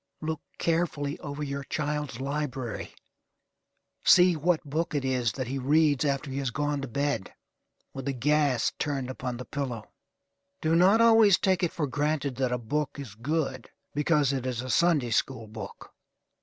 Look carefully over your child's library; see what book it is that he reads after he has gone to bed, with the gas turned upon the pillow. Do not always take it for granted that a book is good because it is a Sunday school book.